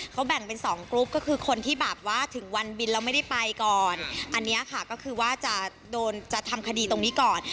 เขาแบ่งเป็นสองกรุ๊ปก็คือคนที่แบบว่าถึงวันบินแล้วไม่ได้ไปก่อนอันนี้ค่ะก็คือว่าจะโดนจะทำคดีตรงนี้ก่อน